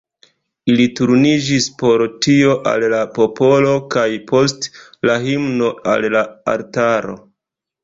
Ili turniĝis por tio al la popolo, kaj post la himno al la altaro.